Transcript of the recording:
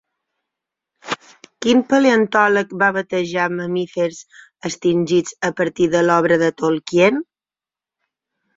Quin paleontòleg va batejar mamífers extingits a partir de l'obra de Tolkien?